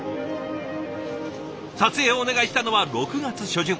撮影をお願いしたのは６月初旬。